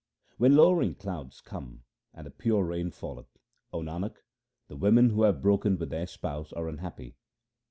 When lowering clouds come and the pure rain falleth, O Nanak, the women who have broken with their spouse are unhappy.